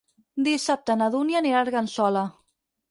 Dissabte na Dúnia anirà a Argençola.